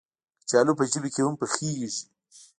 کچالو په ژمي کې هم پخېږي